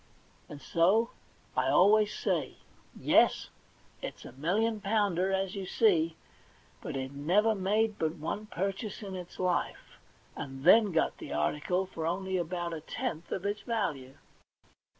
And so I always say, *Yes, it's a million pounder, as you see; hut it never made but one purchase in its life, and then got the article for only about a tenth part of its value.'